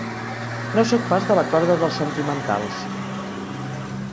No sóc pas de la corda dels sentimentals.